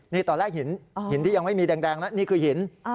นี่ตอนแรกหินที่ยังไม่มีแดงนะนี่คือหิน